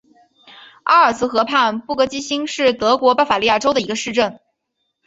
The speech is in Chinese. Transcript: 阿尔茨河畔布格基兴是德国巴伐利亚州的一个市镇。